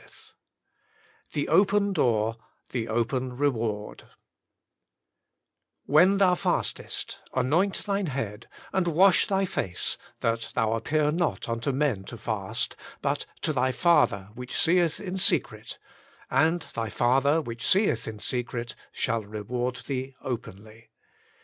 Ill THE OPEN DOOR — THE OPEN REWARD " When thou fastest anoint thine head, and wash thy face that thou appear not unto men to fast, but to thy Father which seeth in secret, and thy Father which seeth in secret shall reward thee openly."